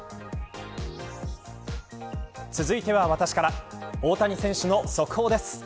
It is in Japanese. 続いては私から大谷選手の速報です。